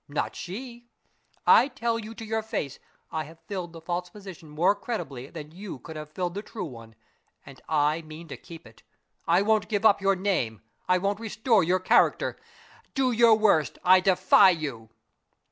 Not she! I tell you to your face I have filled the false position more creditably than you could have filled the true one, and I mean to keep it. I won't give up your name; I won't restore your character! Do your worst; I defy you!"